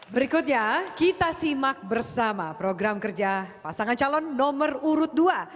berikutnya kita simak bersama program kerja pasangan calon nomor urut dua